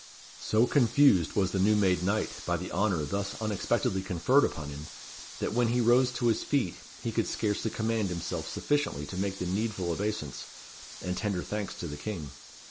So confused was the new made knight by the honour thus unexpectedly conferred upon him, that when he rose to his feet he could scarcely command himself sufficiently to make the needful obeisance, and tender thanks to the King.